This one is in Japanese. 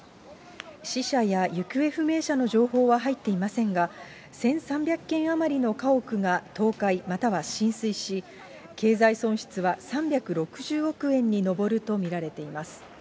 死者や行方不明者の情報は入っていませんが、１３００軒余りの家屋が倒壊または浸水し、経済損失は３６０億円に上ると見られています。